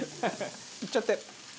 いっちゃって！